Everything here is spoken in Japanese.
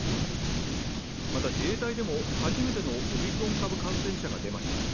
また自衛隊でも初めてのオミクロン株感染者が出ました。